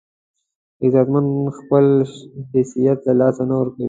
غیرتمند خپل حیثیت له لاسه نه ورکوي